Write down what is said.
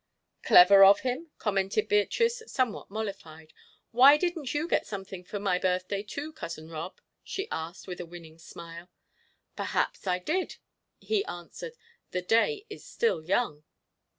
"Clever of him," commented Beatrice, somewhat mollified. "Why didn't you get something for my birthday, Cousin Rob?" she asked, with a winning smile. "Perhaps I did," he answered; "the day is still young."